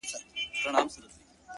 ستا تصوير خپله هينداره دى زما گراني ;